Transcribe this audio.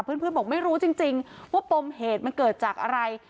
เพื่อนบอกไม่รู้จริงว่าปมเหตุมันเกิดจากอะไร